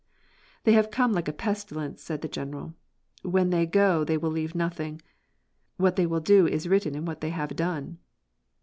"They have come like a pestilence," said the General. "When they go they will leave nothing. What they will do is written in what they have done."